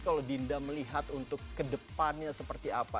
kalau dinda melihat untuk kedepannya seperti apa